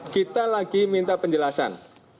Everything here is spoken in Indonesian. kita lagi minta penjelasan